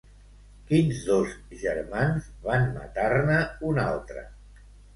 Quins dos germans van matar-ne un altre?